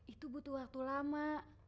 itu butuh waktu lama